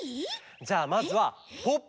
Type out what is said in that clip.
じゃあまずはポッポ！